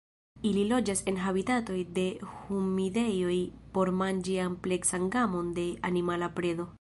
Ili loĝas en habitatoj de humidejoj por manĝi ampleksan gamon de animala predo.